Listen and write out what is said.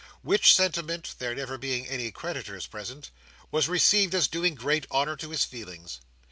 Which sentiment (there never being any creditors present) was received as doing great honour to his feelings.